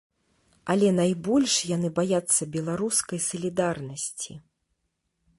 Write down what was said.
Але найбольш яны баяцца беларускай салідарнасці!